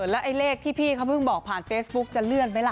แล้วไอ้เลขที่พี่เขาเพิ่งบอกผ่านเฟซบุ๊กจะเลื่อนไหมล่ะ